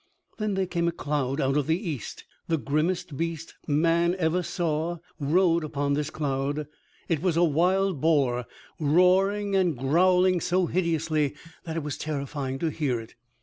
Then there came a cloud out of the east. The grimmest beast man ever saw rode upon this cloud; it was a wild boar, roaring and growling so hideously that it was terrifying to hear it.